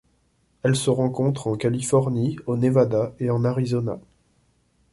Elle se rencontre en Californie, au Nevada et en Arizona.